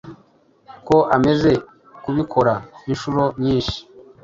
ko amaze kubikora inshuro nyinshi